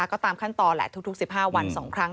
ก็ตามขั้นตอนแหละทุก๑๕วัน๒ครั้ง